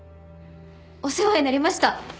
お世話になりました。